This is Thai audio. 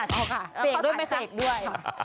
เอาค่ะเสกด้วยไม่เสกด้วย